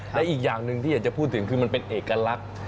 และอีกอย่างหนึ่งที่อยากจะพูดถึงคือมันเป็นเอกลักษณ์